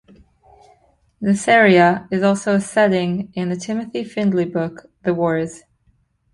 This area is also a setting in the Timothy Findley book The Wars.